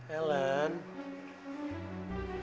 kamu kan tau